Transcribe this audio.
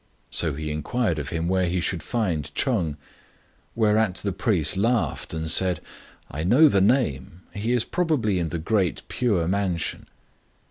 So he inquired of him where he should find Ch'eng ; whereat the priest laughed and said, " I know the name. He is probably in the Great Pure Mansion."